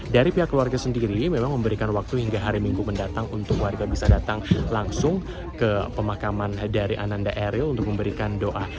dari pihak keluarga sendiri memang memberikan waktu hingga hari minggu mendatang untuk warga bisa datang langsung ke pemakaman dari ananda eril untuk memberikan doa